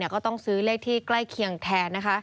ก็ต้องซื้อเลขที่ใกล้เคียงแทนนะคะ